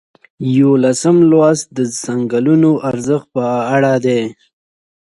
یوولسم لوست د څنګلونو ارزښت په اړه دی.